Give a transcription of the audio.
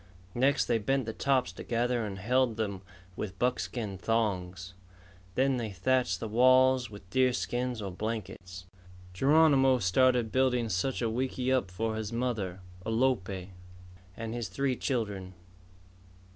Next they bent the tops together and held them with buckskin thongs. Then they thatched the walls with deer skins or blankets. Geronimo started building such a wickiup for his mother, Alope, and his three children.